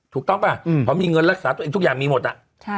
ถูกต้องป่ะเพราะมีเงินรักษาตัวเองทุกอย่างมีหมดอ่ะ